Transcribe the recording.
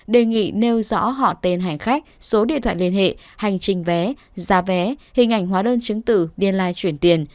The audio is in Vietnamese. đề nghị nêu rõ họ tên hành khách số điện thoại liên hệ hành trình vé giá vé hình ảnh hóa đơn chứng tử biên lai chuyển tiền